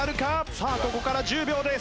さあここから１０秒です。